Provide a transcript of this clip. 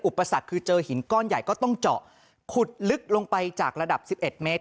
อุปสรรคคือเจอหินก้อนใหญ่ก็ต้องเจาะขุดลึกลงไปจากระดับ๑๑เมตร